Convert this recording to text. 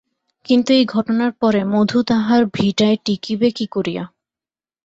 কিন্তু, এই ঘটনার পরে মধু তাহার ভিটায় টিঁকিবে কী করিয়া?